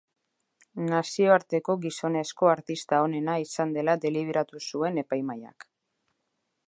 Nazioarteko gizonezko artista onena izan dela deliberatu zuen epaimahaiak.